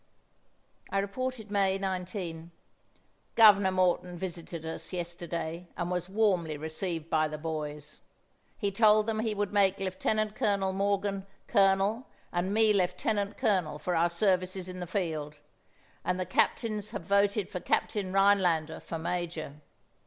I reported May 19: "Governor Morton visited us yesterday and was warmly received by the boys. He told them he would make Lieutenant Colonel Morgan colonel and me lieutenant colonel for our services in the field, and the captains have voted for Captain Rheinlander for major.